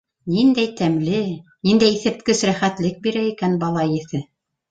Ниндәй тәмле, ниндәй иҫерткес рәхәтлек бирә икән бала еҫе!